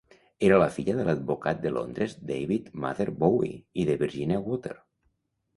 Era la filla de l'advocat de Londres David Mather Bowie de Virginia Water.